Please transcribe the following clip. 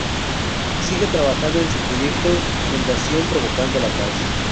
Sigue trabajando en su proyecto: Fundación Provocando la Paz.